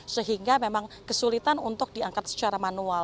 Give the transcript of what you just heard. sehingga memang kesulitan untuk diangkat secara manual